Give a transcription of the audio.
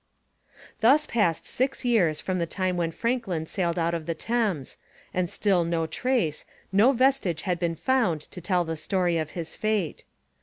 Thus passed six years from the time when Franklin sailed out of the Thames, and still no trace, no vestige had been found to tell the story of his fate.